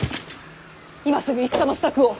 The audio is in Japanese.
今すぐ戦の支度を。